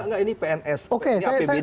enggak enggak ini pns ini apbd nih